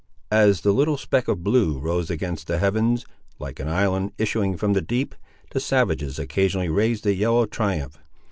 As the little speck of blue rose against the heavens, like an island issuing from the deep, the savages occasionally raised a yell of triumph.